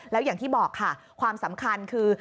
แล้วอย่างที่บอกค่ะความสำคัญคือ